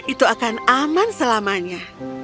itu akan aman selamanya